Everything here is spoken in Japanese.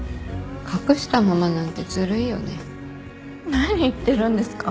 何言ってるんですか。